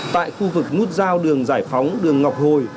tại khu vực nút giao đường giải phóng đường ngọc hồi